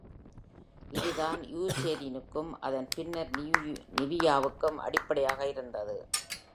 இது தான் இயூசெரினுக்கும், அதன் பின்னர் நிவியாவுக்கும் அடிப்படையாக இருந்தது.